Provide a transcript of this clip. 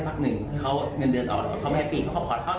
พริกที่เขาโดนแล้วเขาไปไหนแล้วนะกลับบ้าน